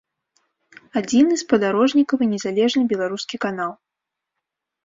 Адзіны спадарожнікавы незалежны беларускі канал.